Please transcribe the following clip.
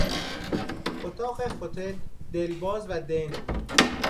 اتاق هتل دلباز و دنج بود.